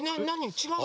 ちがうの？